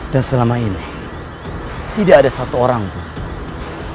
dan selama ini tidak ada satu orangfruit